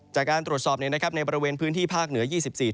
จากการตรวจสอบในบริเวณพื้นที่ภาคเหนือ๒๔